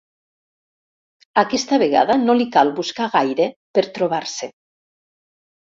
Aquesta vegada no li cal buscar gaire per trobar-se.